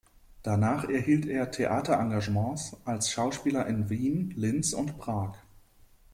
Danach erhielt er Theaterengagements als Schauspieler in Wien, Linz und Prag.